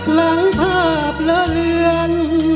หลังภาพเลอเลือน